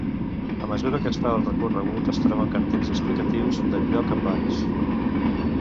A mesura que es fa el recorregut es troben cartells explicatius del lloc amb bancs.